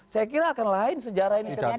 saya kira akan lain sejak itu